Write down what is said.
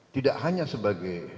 tidak hanya sebagai